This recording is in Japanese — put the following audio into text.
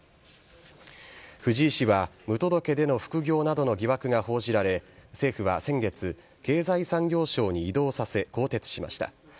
藤井氏は、無届けでの副業などの疑惑が報じられ、政府は先月、経済産業省に異動させ、更迭しました。